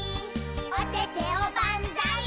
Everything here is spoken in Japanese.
「おててをばんざーい」